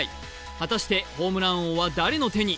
果たしてホームラン王は誰の手に？